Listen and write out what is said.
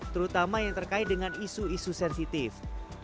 terutama yang terkait dengan isu isu sensitif